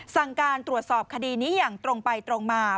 สั่งการตรวจสอบคดีนี้อย่างตรงไปตรงมา